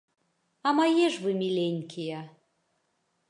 А мае ж вы міленькія!